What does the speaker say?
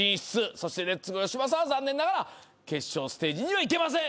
そしてレッツゴーよしまさは残念ながら決勝ステージには行けません。